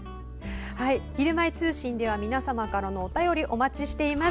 「ひるまえ通信」では皆様からのお便りお待ちしています。